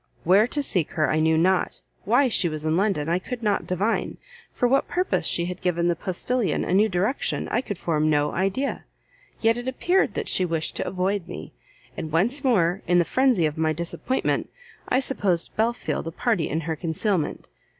where to seek her I knew not, why she was in London I could not divine, for what purpose she had given the postilion a new direction I could form no idea. Yet it appeared that she wished to avoid me, and once more, in the frenzy of my disappointment, I supposed Belfield a party in her concealment.